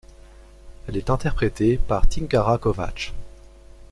Elle est interprétée par Tinkara Kovač.